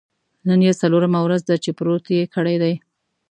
نن یې څلورمه ورځ ده چې پروت یې کړی دی.